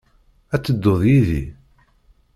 Ad tedduḍ yid-i?